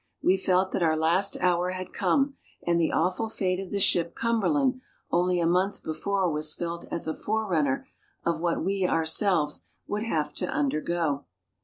We felt that our last hour had come, and the awful fate of the ship SKETCHES OF TRAVEL Cumberland only a month before was felt as a forerunner of what we ourselves would have to undergo.